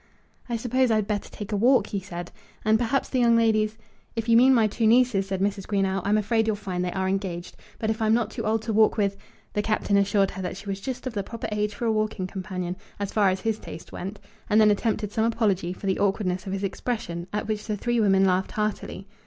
"I suppose I'd better take a walk," he said; "and perhaps the young ladies " "If you mean my two nieces," said Mrs. Greenow, "I'm afraid you'll find they are engaged. But if I'm not too old to walk with " The Captain assured her that she was just of the proper age for a walking companion, as far as his taste went, and then attempted some apology for the awkwardness of his expression, at which the three women laughed heartily.